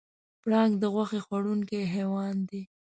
پړانګ د غوښې خوړونکی حیوان دی.